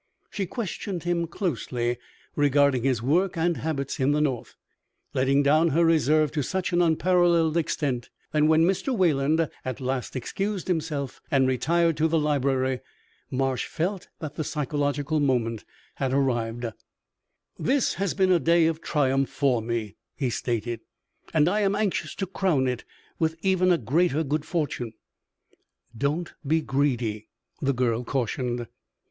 She questioned him closely regarding his work and habits in the North, letting down her reserve to such an unparalleled extent that when Mr. Wayland at last excused himself and retired to the library, Marsh felt that the psychological moment had arrived. [Illustration: MILDRED CEASED PLAYING AND SWUNG ABOUT "WHAT DO YOU MEAN?"] "This has been a day of triumphs for me," he stated, "and I am anxious to crown it with even a greater good fortune." "Don't be greedy," the girl cautioned.